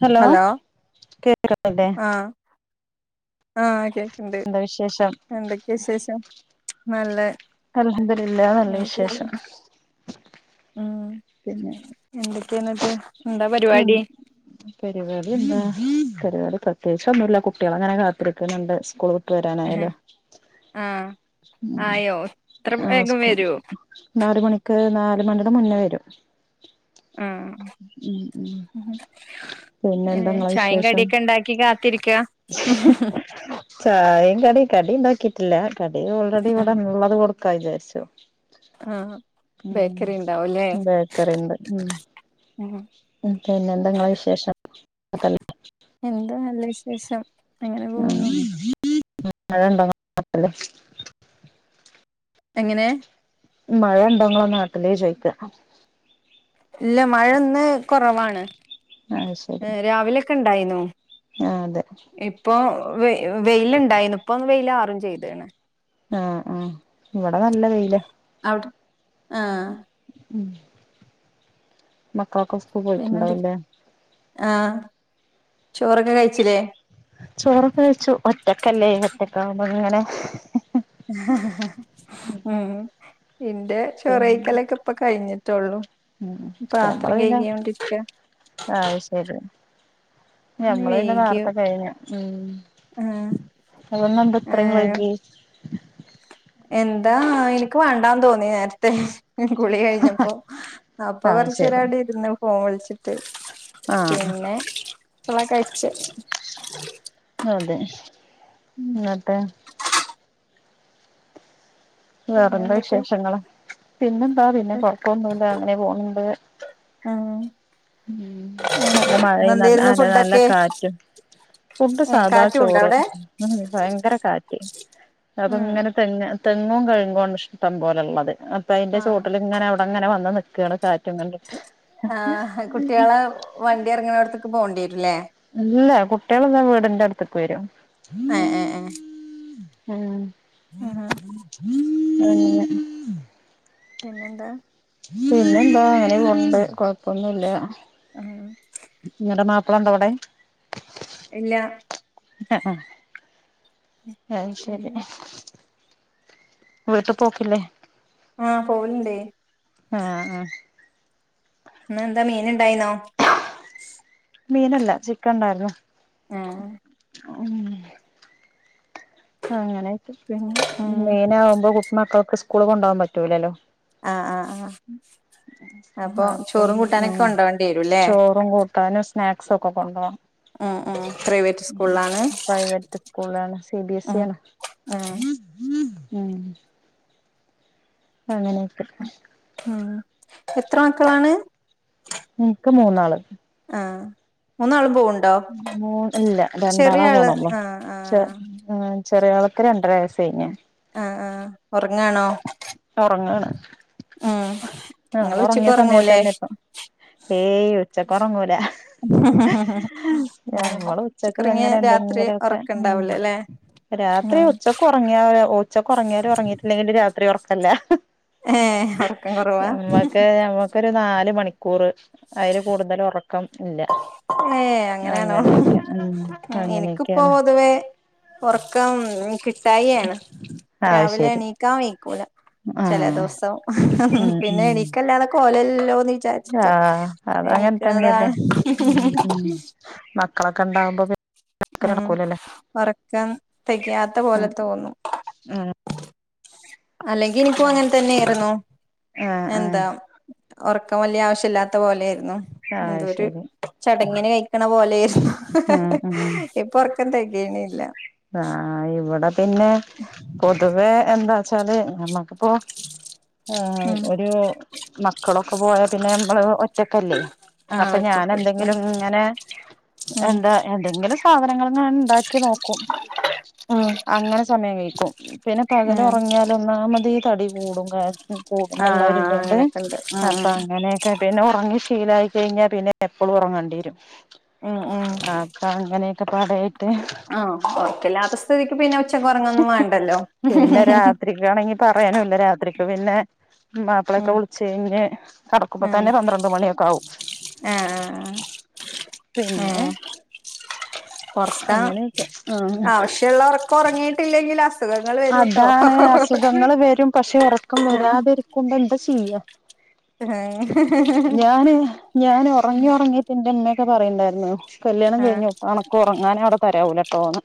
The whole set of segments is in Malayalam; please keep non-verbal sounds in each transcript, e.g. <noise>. ഹലോ കേക്കുന്നില്ലേ ആഹ് ആഹ് കേക്ക്ണ്ട് വിശേഷം എന്തൊക്കെ വിശേഷം? നല്ല അലഹംദിലിള്ള നല്ല വിശേഷം ഉം പിന്നെ എന്തൊക്കെയാ എന്നിട്ട് എന്താ എന് പരിപാടി പരുവാടി എന്താ പരുവാടി പ്രത്യേച്ചൊന്നൂല്ല കുട്ടികളങ്ങനെ കാത്തിരിക്കന്നുണ്ട് സ്കൂൾ- വരാനായാലോ ആഹ് ആയോ ഇത്ര ആഹ് വേഗം ഇസ്കു വരുവോ നാല്മണിക്ക് നാല്മണിടെ മുന്നേ വരും ഉം പിന്നെ എന്താങ്ങളെ ചായും വിശേഷം കടിയൊക്കെ ഇണ്ടാക്കി കാത്തിരിക്ക ല്ലാ കടി ഓൾറെഡി ഇവിടെള്ളത് കൊടു കൈതര്ച്ചൊ ആഹ് ബേക്കറി ഉണ്ടാവുംല്ലേ ഉം ബേക്കറിണ്ട്. ഉം പിന്നെ എന്താ നിങ്ങളെ വിശേഷം എന്താ നല്ല വിശേഷം അങ്ങനെ പോകുന്നു മഴയുണ്ടോ നിങ്ങളെ നാട്ടില് എങ്ങനേ മഴയുണ്ടോ നിങ്ങളെനാട്ടില് ചോയ്ക്കാ ഇല്ല മഴ ഇന്ന് കൊറവാണ് ആഹ് ശരി ഒക്കെ ഉണ്ടായ്നു ആ അതെ ഇപ്പൊ വെ വെയിലുണ്ടായിനു ഇപ്പം വെയിലാറും ചെയ്താണ് ആഹ് ആഹ് ഇവിടെ നല്ല വെയില ആഹ് ഉം മ് കളൊക്കെ പിന്നെന്തൊ സ്കൂള്പോയിട്ടുണ്ടാവ് ല്ലേ ആഹ് ചോറൊക്കെ കഴിച്ചിലേ ചോറോക്കെ വെച്ചു ഒറ്റക്കല്ലേ ഒറ്റക്കാവുമ്പൊ ഇങ്ങനെ ഉം ഇന്റെ ചൊറ് പിന്നെ കഴിക്കലൊക്കെ ഇപ്പൊ കഴിഞ്ഞിട്ടെള്ളൂ ഉം പാത്രം ഞമ്മള് പിന്നെ കഴകിയൊണ്ടിരിക്ക അത് ശരി ഇന്ന് ഞമ്മള് പിന്നെ വേകിയൊ നേർത്തെ കഴിഞ്ഞു ഉം ഇന്ന് എന്താ ഇത്രയും ഏഹ് വൈകിയേ നേര്ത്തെ കുളികഴിഞ്ഞപ്പൊ അപ്പൊ അത് ശരി കൊറച്ചേരവിടെ ഇരുന്നു ഫോവിളിച്ചു ഇട്ട് ആഹ് കഴിച്ചെ അതെ ഇന്നട് ഉം ഇന്നട്ട് പിന്നെ വേറെന്താ എന്തൊക്കെ വിശേഷങ്ങള് പിന്നെന്താ പിന്നെ കൊറപ്പൊന്നൂല്ല അങ്ങനെ പോണ് ഇണ്ട് ആഹ് ഉം നല്ല മഴ ന ഇന്നെന്തേര്ന്നു നല്ല നല്ല ഫുഡൊക്കെ കാറ്റും ഫുഡ്ഡ് ഏഹ് സാധാ കാറ്റുണ്ടോ ചോറ് അവിടെ? ഭയങ്കര കാറ്റ് അപ്പൊ ഉം ഇങ്ങനെ തന്നെ തെങ്ങും കഴുങ്ങ്വാണ് ഇഷ്ടം പോലെള്ളത് അപ്പൊ അയ്ന്റെ ആഹ് ചോട്ടില് ഇങ്ങനെ ഔടെ ഇങ്ങനെ വന്ന് നിക് ക്കാണ് കാറ്റും കണ്ട് ആഹ് കുട് ട്ട്യാളെ വണ്ടി എർങ്ണോട്ത്ക്ക് റങ്ങുന്ന ഇടത്തേക്ക് പോണ്ടിയെരും ല്ലേ അല്ല കുട്ട്യേള്ന്നാ വ്ടന്റെ അട്ത്ക്ക് വരും എ എ ഏ ഉം ഹെ ഹേ അങ്ങനെ പിന്നെ എന്താ? പിന്നെന്താ അങ്ങനെ പോണുണ്ട് കൊഴപ്പൊന്നുല്ല ആഹ് നിങ്ങളുടെ മാപ്പിള ഉണ്ടവിടെ? ഇല്ല ആഹ ആ ആഹ് ശരി. വീട്ടു പോക്കില്ലേ? ആഹ് പോവലുണ്ട്. ആഹ ആ ഇന്ന് എന്താ മീൻ ഇണ്ടായിന്നോ? മീനല്ല ചിക്കൻ ഉണ്ടായിരുന്നു. ആഹ ഉം ആ അങ്ങനെ പിന്നെ ഉം മീൻ ആവുമ്പോ കൊച്ചു മക്കൾക്കെ സ്കൂളിൽ കൊണ്ടാവാൻ പറ്റില്ലല്ലോ? ആഹ് ആഹ് ആഹ് അപ്പൊ അപ്പം ചോറും കൂട്ടാനൊക്കെ കൊണ്ടോവേണ്ടി വരൂല്ലേ ചോറും കൂട്ടാനും സ്നാക്സ് ഒക്കെ കൊണ്ടു പോണം. ഉം ഉം പ്രൈവറ്റ് സ്കൂളാണ്. പ്രൈവറ്റ് സ്കൂളാണ് <inaudible> ഉം അങ്ങനൊക്കെ ഉം എത്ര മക്കളാണ് എനിക്ക് മൂന്നാള് ആ മൂന്നാളും പോവ് പോണ് ഇല്ല രണ്ടാളാ ആള് പോണൊള്ളു ആഹ് ചെ ആഹ് ആ ചെറിയാൾക്ക് രണ്ടര വയസ്സ് കഴിഞ്ഞ് ആ ആ ഒറങ്ങാണോ ആ ഓൾ ഒറങ്ങിയ ഉച്ചക്ക് ഉറങ്ങൂലേ സമയത്തെന്നെ ഇപ്പ ഏയ് ഉച്ചക്ക് ഒറങ്ങുലാ ഉം നമ്മള് ഉച്ചക്ക് ഉച്ചക്കുറങ്ങിയ അങ്ങനെ രാത്രി എന്തെങ്കിലുമൊക്കെ ഉം ഉറക്കണ്ടാവൂല ല്ലേ രാത്രി ഉം ഉച്ചക്ക് ഉറങ്ങിയ ഉച്ചക്ക് ഉറങ്ങിയാലോ ഉറങ്ങിയിട്ടില്ലെങ്കി രാ ത്രി ഉറക്കല്ല. ഏ ഒറക്കം കുറവാ ഒരു നാല് മണിക്കൂറ് അയില് കൂടുതല് ഒറ ക്കം ഇല്ല ഏ അങ്ങനെയണോ അങ്ങനെയൊക്കെ ഉം എനിക്കിപ്പോ അങ്ങനെയൊക്കെയാണ് പൊതുവേ ഉറക്കം കി ട്ടായെ ആണ് ആണ് അത് രാവിലെ ശരി എണീക്കാ വൈ ക്കൂല ചില ആഹ് ദിവസം ഉം പിന്നെ ഉം എനിക്കല്ലാതെ കോല ഇ ല്ലല്ലോ ന്ന് വിചാരിച്ചിട്ട് ആഹ് അതങ്ങനെ തന്നെയല്ലേ എണീക്കണതാണ്. ഉം ഉം മക്കള ക്കണ്ടാവുമ്പോ പി ഉം ഉറക്കം തികയാത്ത പോലെ ഉം തോന്നും ഉം അല്ലെങ്കിൽ ഇനിപ്പോ അങ്ങനെ തന്നെയാരുന്നു ആഹ് ആഹ് എന്താ ഒറക്ക ക്കം വലിയ ആവശ്യല്ലാത്ത പോലെയാര് ന്നു അത് ഇതൊരു ശരി ച എങ്ങനെ കഴിക്കണ പോലെ ഉം ഉം ഇപ്പൊ ഉർക്കം തികയണില്ല ആഹ് ഇവിടെ പിന്നെ പൊതുവെ എന്താ ച്ചാല് നമ്മക്ക് അപ്പൊ ഉം ഒരു മക്കളൊക്കെ പോയാ പിന്നെ നമ്മള് ഒറ്റക്കല്ലേ ആഹ് അപ്പൊ ഞാൻ ഒറ്റക്കിരിക്കാ എന്തെങ്കിലും ഇങ്ങനെ എന്താ എന്തെങ്കിലും സാധനങ്ങൾ ഞാൻ ഉണ്ടാക്കി നോക്കും. ഉം ഉം അങ്ങനെ സമയം കഴിക്കും പിന്നെ പകല് ആഹ് ഉറങ്ങിയാല് ഒന്നാമ ത് തടി കൂടും കാ കൂടുന്നുള്ളവര് ഇതുകൊണ്ട് അങ്ങനൊക്കെ ഉണ്ട് ഉം അപ്പൊ ഉം അങ്ങനെയൊക്കെ പിന്നെ ഉറങ്ങി ശീലായി കഴിഞ്ഞാ പിന്നെ എപ്പോളും ഉറങ്ങേണ്ടി വരും ഉം ഉം അപ്പൊ അങ്ങനെയൊക്കെ പാടായിട്ട് ആഹ് ഉറക്കല്ലാത്ത സ്ഥിതിക്ക് പിന്നെ ഉച്ചക്ക് ഉറങ്ങൊന്നും വേണ്ടല്ലോ പിന്നെ രാത്രിക്കാണെങ്കി പറയാനില്ല രാത്രി പിന്നെ മാപ്ല ഒക്കെ ഉം വുള്ച്ചിന്നെ കടക്കുമ്പെ തന്നെ ആഹ് പന്ത്രണ്ട് മണിയൊക്കെ ആവും ആഹ് പിന്നെ ആഹ് ഉറക്കം അങ്ങനെ ഒക്കെ ആഹ് ആവശ്യമുള്ള ഉറക്കം ഉറങ്ങിയിട്ടില്ലെങ്കിൽ അസുഖങ്ങൾ വരൂട്ടോ അതാണ് അസുഖങ്ങള് വെരും പക്ഷെ ഒറക്കം വരാതിരിക്കുമ്പ എന്താ ചെയ്യാ ആഹ് ഞാന് ഞാന് ഒറങ്ങി ഒറങ്ങിയപ്പെ ന്റെമ്മെ ഒക്കെ പറയണ്ടായിര്ന്നു. കല്ല്യാണം ആഹ് കഴിഞ്ഞോ, അനക്ക് ഉറങ്ങാന് അവിട തെരാവൂലെ തോന്ന്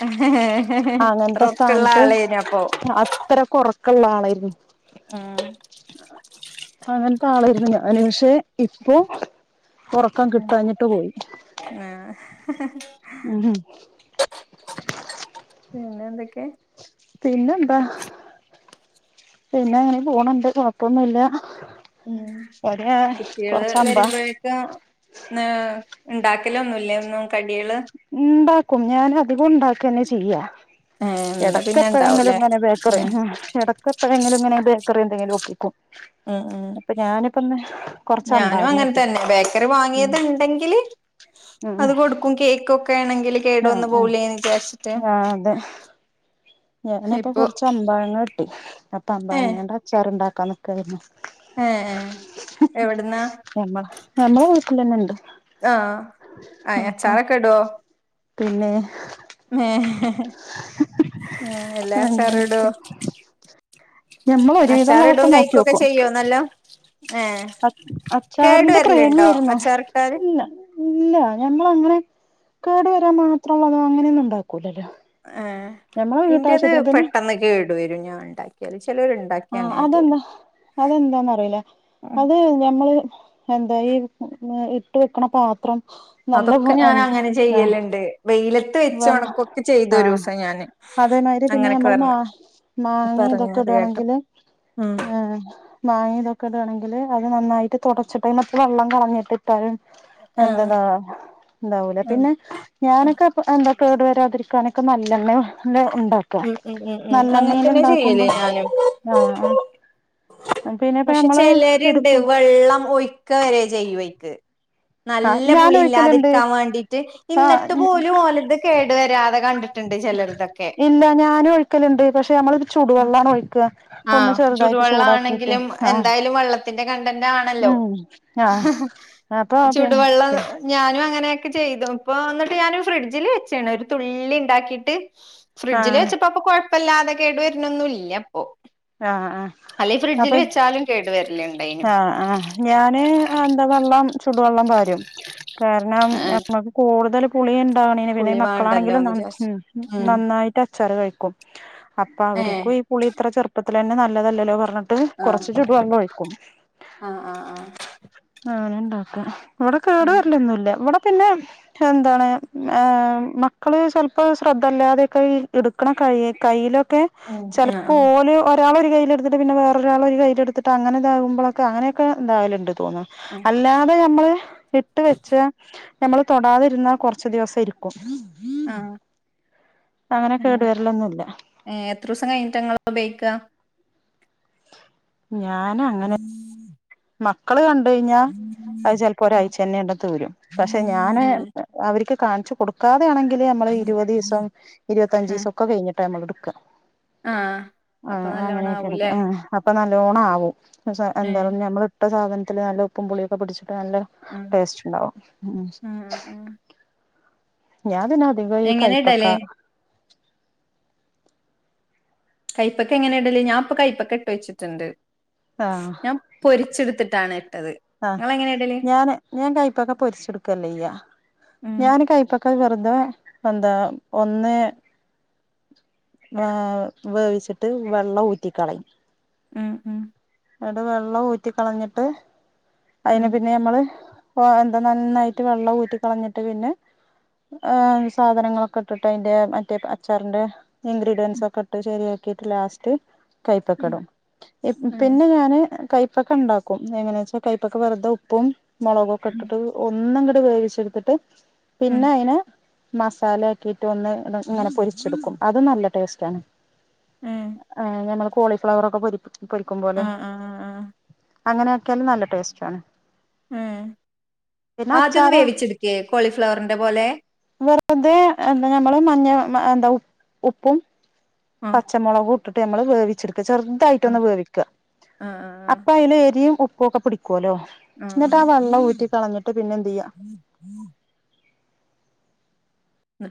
ഹ് ഹ് ഹ് ഹ് റുക്ക്ള്ള ആളേനി അപ്പൊ ക്ക്ള്ള ആളേയിരുന്നു. ആഹ് ത്താളായിര്ന്നു ഞാന്. പക്ഷെ, ഇപ്പൊ ഒറക്കം കിട്ടാഞ്ഞിട്ട് പോയി. ആഹ് ഉം പിന്നെ എന്തെക്കെ? പിന്നെന്താ പിന്നെ അങ്ങനെ പോണിണ്ട്. കൊ ഴപ്പൊന്നുല്ല. ഉം കുട്ടിള് വരുമ്പോഴേക്ക നാ ഇണ്ടാക്കലൊന്നുല്ലേ ഒന്നും കടിള് ഇണ്ടാക്കും. ഞാൻ അധികം ഇണ്ടാക്ക്ന്നെ ചെയ്യാ. ഏഹ് ഇന്ന് പിന്നെ എടക്കെപ്പെയെങ്കിലും ഇണ്ടാവൂലേ ഇങ്ങനെ ബേക്കറി ഉം ഹ് എടക്കെപ്പെയെങ്കിലും ഇങ്ങനെ ബേ <unintelligible> എന്തെങ്കിലും ഒപ്പിക്കും മ്ഹ് മ്ഹ് അപ്പൊ ഞാനിപ്പന്ന് കൊറച്ച് ഞാനും അമ്പാഴങ്ങ അങ്ങനെ കിട്ടി തന്നെ ബേക്കറി ഉം വാങ്ങിയത് ഇണ്ടെങ്കില് ഉം അത് കൊടുക്കും കേക്ക് ഒക് <unintelligible> കേടു ആഹ് വന്ന് ആഹ് പോവൂലേന്ന് വിചാരിച്ചിട്ട് ആഹ് അതെ ഞാനിപ്പോ ഇപ്പൊ കൊറച്ച് അമ്പഴങ്ങ അപ്പ ഏഹ് അമ്പാഴങ്ങേൻ്റെ അച്ചാറ്ണ്ടാ <unintelligible> ഏഹ് ഏഹ് എവിടുന്നാ ഞമ്മ ഞമ്മളെ വീട്ടിലന്നെ ഇണ്ട് ആഹ് ആ അപ്പൊ അച്ചാറൊക്കെ ഇടുവോ പിന്നെ ഏഹ് ഏഹ് എല്ലാ അച്ചാറിടോ അങ്ങനെയൊക്കെ ഞമ്മൾ ഒരു വിധള്ളതൊക്കെ നോക്കി നോക്കും നല്ലോ ഏഹ് അച്ച് കേടു അച്ചാറിന്റെ വരലുണ്ടോ പ്രേമിയായിരുന്നോ അച്ചാറിട്ടാല് ഇല്ല ഇല്ല ഞങ്ങൾ അങ്ങനെ കേടു വരാൻ മാത്രള്ളത അങ്ങനെയൊന്നും ഉണ്ടാക്കൂലല്ലോ ആ ഞമ്മളെ ഇൻ്റത് വീട്ടാവശ്യത്തിന് പിന്നെ പെട്ടെന്ന് കേടുവരും ഞാൻ ഇണ്ടാക്കിയാല് <unintelligible> ആ ചിലരുണ്ടാക്കിയാൽ അങ്ങനെ തോന്ന അതെന്താ അതെന്താന്നറിയില്ല ഉ അത് ഞമ്മള് എന്താ ഈ ഇട്ട് വെക്കണ പാത്രം നല്ല അതൊക്കെ ഞാൻ അങ്ങനെ ചെയ്യലുണ്ട് വെയില ആഹ <unintelligible> അതേ മാതിരി പിന്നെ അങ്ങനൊക്കെ നമ്മള് മാ പറഞ്ഞ് മാങ്ങി ഇതൊക്കെ പറഞ്ഞത് കേട്ടു ഇടേണെങ്കില് ഉം ആ മാങ്ങി ഇതൊക്കെ ഇടണെങ്കില് അ നന്നായി തുടച്ചിട്ടെ <unintelligible> മറ്റ വെള്ളം കളഞ്ഞിട്ടിട്ടാലും ആഹ് എന്തന്നാ <unintelligible> എന്താവൂല ആഹ് പിന്നെ ആഹ് ഞാനൊക്കെ.... അഹ് എന്താ കേടു വരാതിരിക്കാനൊക്കെ നല്ലെണ്ണ നല്ല ഉം ഉ ഉം ഉ അങ്ങൻത്തന്നെ ചെയ്യല് ഉണ്ടാക്കുമ്പോ ഞാനും ആഹ് പിന്നെപ്പ പക്ഷെ നമ്മള് ചിലരുണ്ട് എടുക്കും വെള്ളം ഒഴി ക്ക വരെ ചെയ്യും അയ്ക്ക് ആഹ് നല്ല ഞാൻ പുളി ഒഴിക്കലുണ്ട് ഇല്ലാതിരിക്കാൻ വേണ്ടിട്ട് ഇന്നിട്ട് ആഹ് പോലും ഓലത് കേടു വരാതെ കണ്ടിട്ടുണ്ട് ചിലർ തൊക്കെ ഇല്ല ഞാനും ഒഴിക്കലുണ്ട് പക്ഷെ നമ്മള് ചൂടുവെള്ളമാണ് ഒഴിക്കുക ഒന്ന് ആഹ ചെറുതായിട്ട് ചുടുവെള്ളം ചൂടാക്കിട്ട് ആണെങ്കിലും ആഹ് എന്തായാലും വെള്ളത്തി കണ്ടൻ്റാണല്ലോ ഉം ആഹ് അപ്പൊ പിന്നെ ചുടുവെള്ളം ഞാനു ആഹ ഇങ്ങനെയൊക്കെ ചെയ്തപ്പൊ ഇന്നട്ട് ഞാൻ ഫ്രിഡ്ജിൽ വെച്ച്ണ് ഒര് തുള്ളി ഇണ്ടാക്കിട്ട് ഫ്രിഡ്ജില് ആഹ് വെച്ചപ്പൊ അപ്പൊ കൊഴ ഇപ്പ വെല്ലാതെ കേടുവര്ണൊന്നുല്ല്യ ഒ ആഹ് ആഹ് അല്ലെ ഫ്രിഡ്ജിൽ വെച്ചാലും കേട് വെര്ൽ ഇ ആ ആ ഞാൻ എന്താ വള്ളം ചു ട് വള്ളം പാരും കാരണം ആഹ് ഞമ്മക്ക് കൂട്തെലും പ്പ കുളിയൻ പുളി <unintelligible> മക്കളാണെങ്കിലും വേണ്ടല്ലോന്ന് വിചാരിച്ച് <unintelligible> ഉം നന്നായിട്ട അച്ചാറ് കഴിക്കും അപ്പൊ ഏഹ് അവർക്കും ഈ പുളി ഇത്ര ചെറുപ്പ ത്തിലന്നെ നല്ലതല്ലോ പറഞ്ഞ ട്ട് ആഹ് കെറച്ച് ചുടു വെള്ള ഒയിക്കും ആഹ് ആഹ് ആഹ ആങ്ങനെ ഉണ്ടോ ഇവിടെ കേടു വരിലന്നുമല്ല ഇവിടെ പിന്നെ എന്താണ് ഏ മക്കള് ചെലപ്പോ ശ്രദ്ധല്ലാതെയൊക്കെ എടുക്കണ കയ്യി കയ്യിലൊക്കെ ഉം ആഹ് ചെലപ്പോ ആഹ് ഓല് ഒരാള് കയ്യില്എടുത്തിട്ട് വേറൊരാൾ ഒരു കയ്യിലെടുതിട്ട് അങ്ങന ഇതാകുമ്പോക്കെ അങ്ങനൊക്കെ ഇണ്ടാവലുണ്ടെന്ന് തോന്നുന്നുണ്ട് ആഹ് അല്ലാതെ നമ്മള് ഇട്ട് വെച്ച നമ്മള് തൊടാതിരുന്നാ കൊറച്ച് ദിവസം ഇരിക്കും ആഹ അങ്ങനെ കേടു വരലൊന്നുല്ല എത്ര ദിവസം കഴിഞ്ഞിട്ട്ങ്ങള് ഉപയോഗിക്ക ഞാന അങ്ങനെ മക്കള് ക പോകയിഞ്ഞ അത് ചെലപ്പോ ഏഹ് ഒരാഴ്ചന്നെ അങ്ങ് തീരും പക്ഷെ ഞാന് ഏഹ് അവര്ക്ക് കാണിച്ചു കൊടുക്കാം ണെങ്കില് നമ്മള് ഇരുപത് ദിവസം ഇരുപത്തഞ്ച് ദിവസ ആഹ് ഒക്കെ വരും ടൈമ എടുക്കും ആഹ് അപ്പൊ ആഹ നല്ലോണം അങ്ങനെയൊക്കെ ആവൂലേ എടുക്കും ആ അപ്പൊ ന ലോണം ആവും <unintelligible> എന്താ ഏഹ് പറ നമ്മള് അപ്പംസാധനത്തിന് നല്ല ഉപ്പും പുളയൊക്കെ പിടിച്ചു നല്ല ആഹ് ടേസ്റ്റ് ഉണ്ടാവും ആഹ് ആഹ് ഞാൻ പിന്ന അതിവൈ എങ്ങനെ കൈപ്പക്ക ഇടല് കൈ്പപ്പക്ക എങ്ങനെ ഇടല്ല് ഞാൻ നപ്പ കൈപ്പക്ക ഇട്ട് വച്ചിട്ടുണ്ട് ഞാൻ പൊരിച്ചെടുത്തിട്ടാണ് ഇട്ടത് ആഹ ഇങ്ങളെങ്ങനെ ഇടല് ഞാന് ഞാൻ കയ്പ്പക്കെ പൊരിച്ചെടുക്കല്ലേ അയ്യ ഉം ഞാന് കയ്പ്പക്ക ഒക്കെ വെറുത എന്താ ഒന്ന് ഏ വേവിച്ചിട്ട് വെള്ളം ഊറ്റിക്കളയും മ് മ് ന്ന്ട്ട് വെള്ളം ഊറ്റി കളഞ്ഞിട്ട് അയിന് ഉം പിന്നെ ഞമ്മള് പ്പോ എന്താ നന്നായ്റ്റ് വെള്ളം ഊറ്റി കളഞ്ട്ട് പിന്നെ ഏ സാധനങ്ങളൊക്കെ ഇട്ട്ട്ട് അയ്ന്റെ മറ്റേ അച്ചാറിന്റെ ഇൻഗ്രീഡിയൻസൊക്കെട്ട് ശെരിയാക്കീറ്റ് ലാസ്റ്റ് ഉം കൈപ്പക്കടും ഇപ് ഏഹ് പിന്നെ ഞാന് കൈപ് പ്പക്കണ്ടാക്കും എങ്ങനേച്ചാ കൈപ്പക്ക വെർതെ ഉപ്പും മൊളകൊക്കെട്ട്ട്ട് ഒന്നും ങ്ങട്ട് വേവിച്ചെട്ത്ത്ട്ട് ഉം പിന്നയ്നെ മസാല ആക്കിറ്റ് ഒന്ന് ഇങ്ങനെ പൊരിച്ചെട്ക്കും അതും നല്ല ടേസ്റ്റാണ്. ഏഹ് ആഹ് ഞമ്മളെ കൊ പോളിഫ്ലവറൊക്കെ പൊരിപ്പിച്ച് പൊരി ക്കും പോലെ ആഹ് ആഹ് ആഹ് ആഹ് അങ്ങനാക്യാലും നല്ല ടേസ്റ്റാണ്. ഏ ആദ്യൊന്ന് അച്ചാറ് വേവിച്ചെട്ക്കേ കോളിഫ്ലവറിന്റെ പോലെ അത് എന്താ ഞമ്മള് മഞ്ഞ എന്താ ഉ ഉപ്പും ആഹ് പച്ചമൊള ട്ട് ഞമ്മള് വേവി ആഹ് ചെറുതായിട്ടൊന്ന് വേവിക്ക ആഹ് ആഹ് അപ്പ ഐന്റെ ഈ ഉപ്പൊക്കെ ക്കൊലോ ആഹ് ആഹ് ന്ന്ട്ടാ വെള്ളം ഊറ്റി കള <unintelligible> <inaudible> ആഹ്